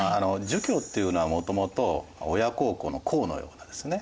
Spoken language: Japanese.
儒教っていうのはもともと親孝行の「孝」のようなですね